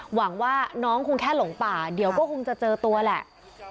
หวังว่าน้องคงแค่หลงป่าเดี๋ยวก็คงจะเจอตัวแหละ